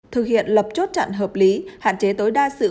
thực hiện lập chốt chặn hợp lý hạn chế tối đa sự